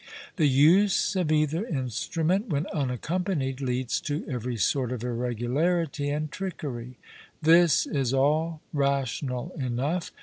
The use of either instrument, when unaccompanied, leads to every sort of irregularity and trickery. This is all rational enough.